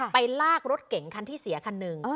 ไปลากรถเก่งคันที่เสียคันหนึ่ง